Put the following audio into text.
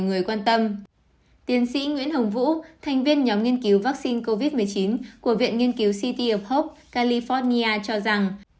nguyễn hồng vũ thành viên nhóm nghiên cứu vaccine covid một mươi chín của viện nghiên cứu city of hope california cho rằng